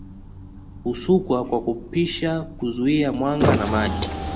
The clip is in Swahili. Husukwa kwa kupisha kuzuia mwanga na maji